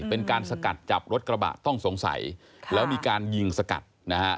เป็นการสกัดจับรถกระบะต้องสงสัยแล้วมีการยิงสกัดนะฮะ